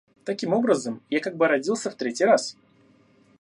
Таким образом, я как бы родился в третий раз.